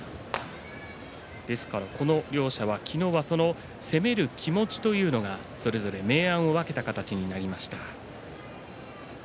昨日は攻める気持ちというのがそれぞれ明暗を分けた形になりました。